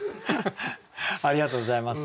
ありがとうございます。